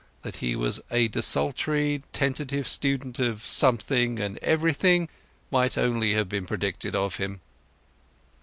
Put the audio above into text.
That he was a desultory tentative student of something and everything might only have been predicted of him.